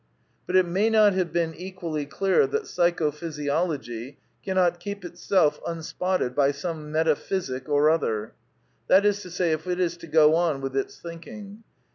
But it may not have been equally clear that Psycho^ physiology cannot keep itself unspotted by some Meta physic or another ; that is to say, if it is to go on with its thinking.